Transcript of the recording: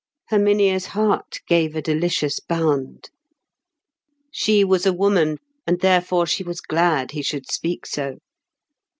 Herminia's heart gave a delicious bound. She was a woman, and therefore she was glad he should speak so.